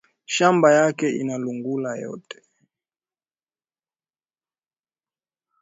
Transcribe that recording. Shamba yake ina lungula yote